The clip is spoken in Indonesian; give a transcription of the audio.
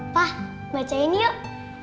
pak bacain yuk